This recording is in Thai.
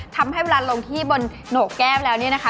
ทำให้เวลาลงที่บนโหนกแก้วแล้วเนี่ยนะคะ